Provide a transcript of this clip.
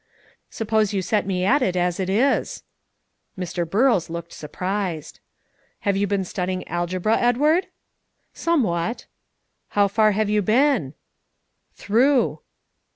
"Suppose you set me at it as it is." Mr. Burrows looked surprised. "Have you been studying algebra, Edward?" "Somewhat." "How far have you been?" "Through."